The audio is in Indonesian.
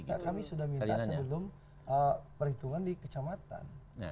juga kami sudah minta sebelum perhitungan di kecamatan